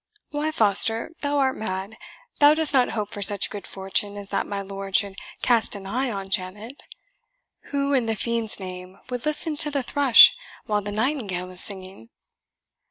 "Why, Foster, thou art mad thou dost not hope for such good fortune as that my lord should cast an eye on Janet? Who, in the fiend's name, would listen to the thrush while the nightingale is singing?"